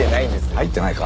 入ってないか？